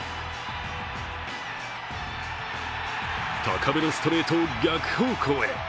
高めのストレートを逆方向へ。